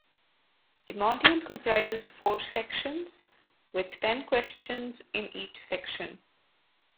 The module comprises four sections, with ten questions in each section.